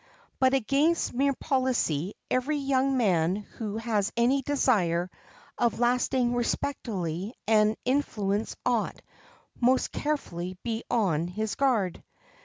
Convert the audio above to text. But against mere policy every young man who has any desire of lasting respectability and influence ought most carefully be on his guard.